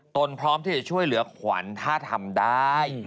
พร้อมที่จะช่วยเหลือขวัญถ้าทำได้